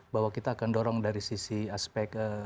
bahwa kita akan dorong dari sisi aspek